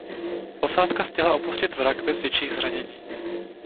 Osádka stihla opustit vrak bez větších zranění.